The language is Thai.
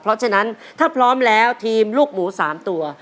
เพราะฉะนั้นถ้าพร้อมแล้วทีมลูกหมู๓ตัว